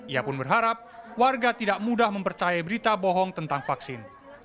ia pun berharap warga tidak mudah mempercayai berita bohong tentang vaksin